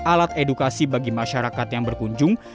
alat edukasi bagi masyarakat yang berkunjung